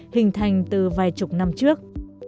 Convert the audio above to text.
hình thành từ vài chục năm trước